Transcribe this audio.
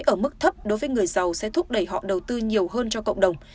ở mức thấp đối với người giàu sẽ thúc đẩy họ đầu tư nhiều hơn cho cộng đồng